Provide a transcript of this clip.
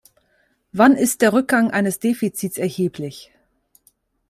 Wann ist der Rückgang eines Defizits erheblich?